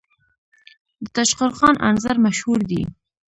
د تاشقرغان انځر مشهور دي